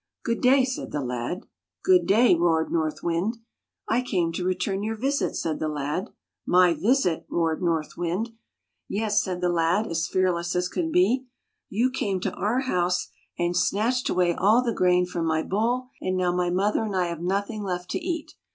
" Good day," said the lad. Good day!' roared North Wind. " I came to return your visit," said the lad. My visit! " roared North Wind. " Yes," said the lad, as fearless as could be, " you came to our house and snatched [ 118 ] THE LAD WHO VISITED NORTH WIND away all the grain from my bowl, and now my mother and I have nothing left to eat.